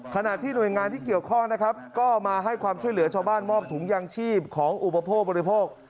ขณะที่หน่วยงานที่เกี่ยวข้องนะครับก็มาให้ความช่วยเหลือชาวบ้านมอบถุงยางชีพของอุปโภคบริโภค